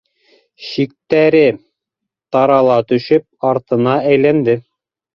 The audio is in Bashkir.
Шиктәре тарала төшөп, артына әйләнде.